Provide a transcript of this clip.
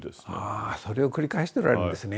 あそれを繰り返しておられるんですね。